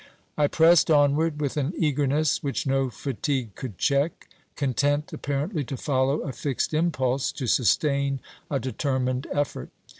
I pressed onward with an eagerness which no fatigue could check, content apparently to follow a fixed impulse, to sustain a determined effort.